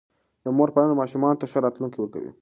د مور پالنه ماشومانو ته ښه راتلونکی ورکوي.